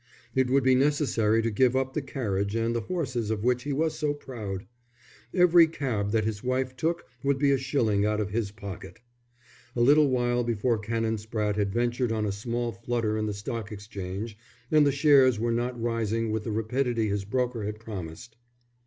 It would be necessary to give up the carriage and the horses of which he was so proud. Every cab that his wife took would be a shilling out of his pocket. A little while before Canon Spratte had ventured on a small flutter in the Stock Exchange, and the shares were not rising with the rapidity his broker had promised.